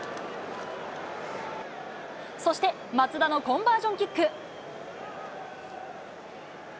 そして、松田のコンバージョンキック。